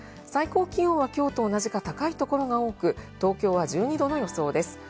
最高気温は、今日と同じか高い所が多く、東京は１２度の予想です